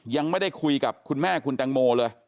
ยังไม่ได้คุยกับคุณแม่คุณแตงโมเลย